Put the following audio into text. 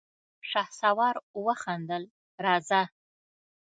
شهسوار وخندل: راځه!